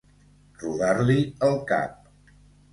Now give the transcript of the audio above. Rodar-li el cap.